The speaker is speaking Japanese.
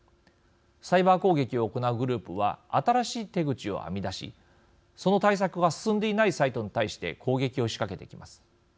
サイバー攻撃を行うグループは新しい手口を編み出しその対策が進んでいないサイトに対して攻撃を仕掛けてきます。